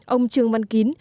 ông trương văn kín